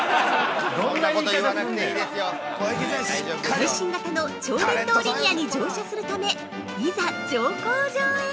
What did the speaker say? ◆最新型の超電導リニアに乗車するため、いざ乗降場へ。